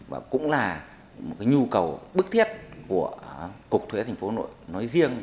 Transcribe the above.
và cũng là một nhu cầu bức thiết của cục thuế tp hcm nói riêng